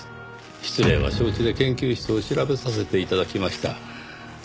失礼は承知で研究室を調べさせて頂きました。